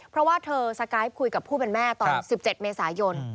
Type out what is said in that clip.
เพราะว่าเธอสกายคุยกับผู้เป็นแม่ตอน๑๗เมษายน